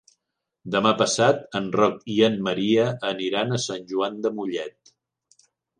Demà passat en Roc i en Maria aniran a Sant Joan de Mollet.